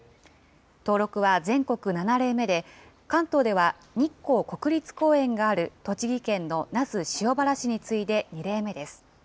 登録は全国７例目で、関東では日光国立公園がある栃木県の那須塩原市に次いで２例目です。